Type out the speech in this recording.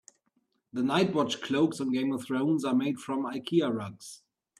The night watch cloaks on Game of Thrones are made from Ikea rugs.